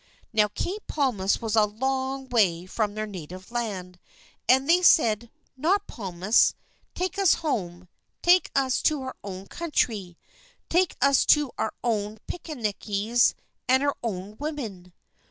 Now, Cape Palmas was a long way from their native land, and they said, "Not Palmas. Take us home, take us to our own country, take us to our own pickaninnies and our own women."